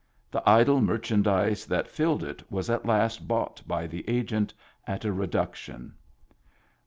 The idle merchandise that filled it was at last bought by the Agent at a reduction.